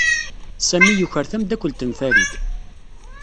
Sami yuker tamdakelt n Farid.